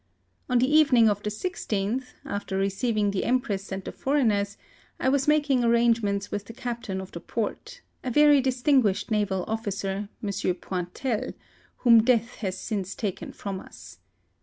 On the evening of the 1 6th, after receiving the Empress and the foreigners, I was mak ing arrangements with the captain of the port — a ver)? distinguished naval officer, M. Pointel, whom death has since taken from us.